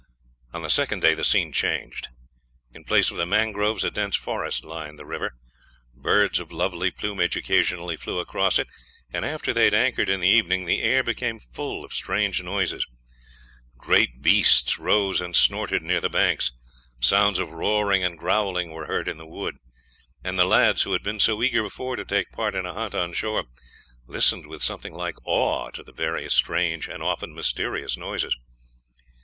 On the second day the scenery changed. In place of the mangroves a dense forest lined the river. Birds of lovely plumage occasionally flew across it, and after they had anchored in the evening, the air became full of strange noises; great beasts rose and snorted near the banks; sounds of roaring and growling were heard in the wood; and the lads, who had been so eager before to take part in a hunt on shore, listened with something like awe to the various strange and often mysterious noises.